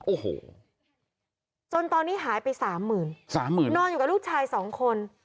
โอ้โหจนตอนนี้หายไป๓๐๐๐บาทนอนอยู่กับลูกชาย๒คน